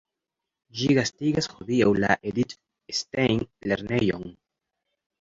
Ĝi gastigas hodiaŭ la Edith-Stein-lernejon.